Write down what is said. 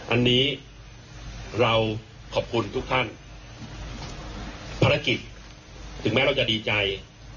อันนี้เราขอบคุณทุกท่านภารกิจถึงแม้เราจะดีใจ